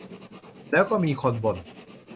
แล้วก็มีคนบ่น